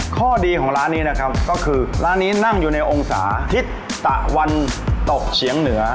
ข้อดีของร้านนี้นะครับก็คือร้านนี้นั่งอยู่ในองศาทิศตะวันตกเฉียงเหนือ